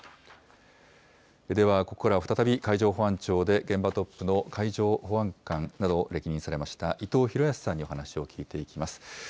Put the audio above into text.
ではここからは再び海上保安庁で、現場トップの海上保安監などを歴任されました、伊藤裕康さんにお話を聞いていきます。